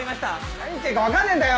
何言ってっか分かんねえんだよ